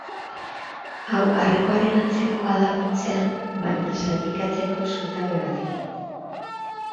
Hau aurrekoaren antzekoa da funtsean, baina zatikatzeko zutabe batekin.